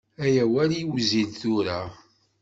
Ay awal iwzil tura.